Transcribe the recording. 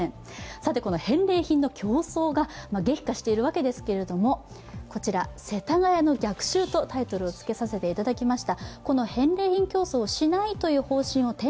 さてこの返礼品の競争が激化しているわけですけれどもこちら、世田谷の逆襲とタイトルをつけさせていただきました。